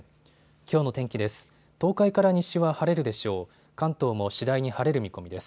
きょうの天気です。